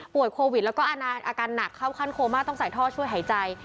โควิดแล้วก็อาการหนักเข้าขั้นโคม่าต้องใส่ท่อช่วยหายใจ